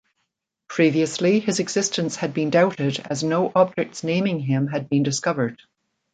Previously, his existence had been doubted as no objects naming him had been discovered.